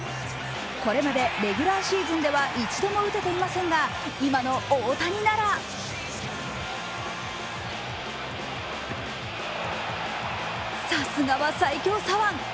これまでレギュラーシーズンでは一度も打てていませんが今の大谷ならさすがは最強左腕。